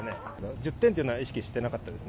１０点というのは意識していなかったです。